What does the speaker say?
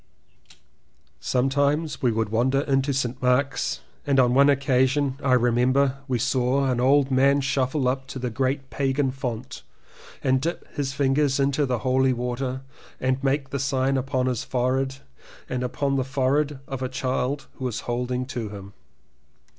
Sometimes we would wander into St. Mark's and on one occasion I remember we saw an old man shuffle up to the great pagan font and dip his fingers into the holy water and make the sign upon his forehead and upon the forehead of a child who was holding to him.